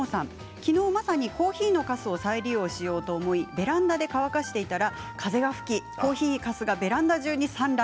きのうまさにコーヒーのかすを再利用しようと思ってベランダで乾かしていたら風が吹きコーヒーかすがベランダ中に散乱。